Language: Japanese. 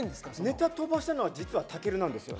ネタ飛ばしたのは実はたけるなんですよ